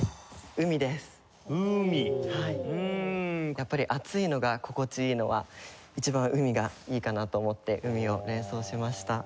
やっぱり暑いのが心地いいのは一番海がいいかなと思って「海」を連想しました。